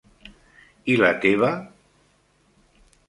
I la teva.?